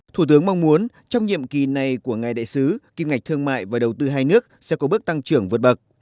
thủ tướng mong muốn trong nhiệm kỳ này của ngài đại sứ kim ngạch thương mại và đầu tư hai nước sẽ có bước tăng trưởng vượt bậc